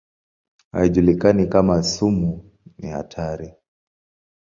Haijulikani kama sumu ni hatari.